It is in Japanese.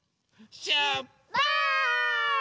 しゅっぱつ！